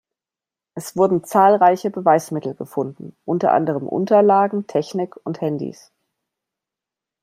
Es wurden zahlreiche Beweismittel gefunden, unter anderem Unterlagen, Technik und Handys.